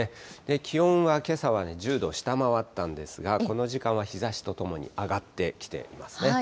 気温はけさは１０度を下回ったんですが、この時間は日ざしとともに上がってきていますね。